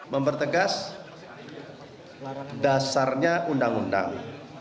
mempertegas dasarnya undang undang